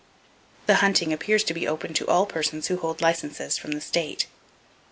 The hunting appears to be open to all persons who hold licenses from the state.